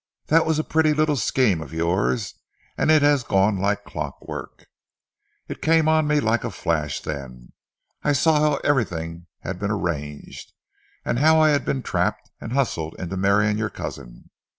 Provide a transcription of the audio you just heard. That was a pretty little scheme of yours, and it has gone like clockwork....' "It came on me like a flash then. I saw how everything had been arranged, and how I had been trapped and hustled into marrying your cousin.